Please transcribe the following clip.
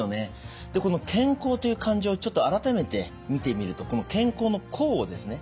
この「健康」という漢字をちょっと改めて見てみるとこの健康の「康」をですね